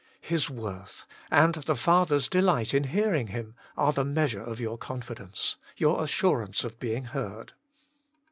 His worth, and the Father s delight in hearing Him, are the measure of your confidence, your assurance of being heard.